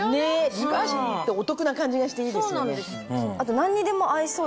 リバーシブルってお得な感じがしていいですよね。